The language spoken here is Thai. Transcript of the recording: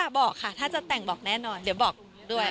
บอกค่ะถ้าจะแต่งบอกแน่นอนเดี๋ยวบอกด้วย